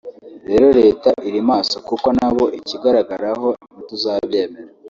rero Leta iri maso kuko n’abo ikigaragaraho ntituzabyemera